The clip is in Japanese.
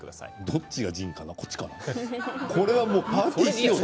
どっちがジンかな？